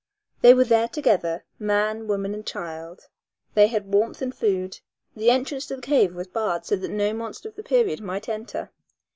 They were there together, man, woman and child. They had warmth and food. The entrance to the cave was barred so that no monster of the period might enter.